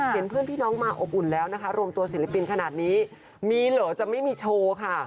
เห็นเพื่อนพี่น้องมาอบอุ่นแล้วนะคะรวมตัวศิลปินขนาดนี้มีเหรอจะไม่มีโชว์ค่ะ